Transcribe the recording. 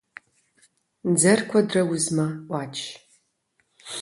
Дзэр куэдрэ узмэ — Ӏуач.